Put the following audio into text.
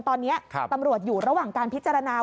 ตอนนี้ตำรวจอยู่ระหว่างการพิจารณา